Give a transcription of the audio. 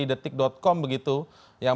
detik com begitu yang